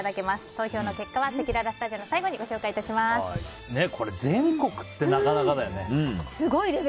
投票の結果はせきららスタジオの最後に全国ってなかなかだよね。